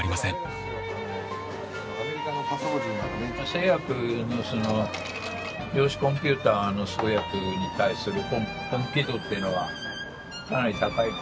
製薬の量子コンピューターの創薬に対する本気度っていうのはかなり高いの？